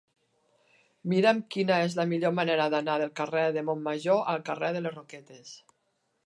Mira'm quina és la millor manera d'anar del carrer de Montmajor al carrer de les Roquetes.